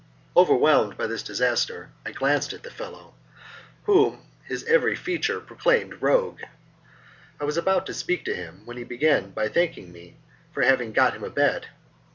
Overwhelmed by this disaster, I glanced at the fellow, whom his every feature proclaimed rogue. I was about to speak to him when he began by thanking me for having got him a bed.